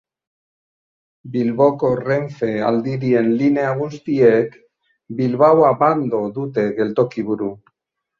Bilboko Renfe Aldirien linea guztiek Bilbao-Abando dute geltoki-buru.